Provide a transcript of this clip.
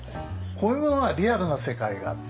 こういうものがリアルな世界があった。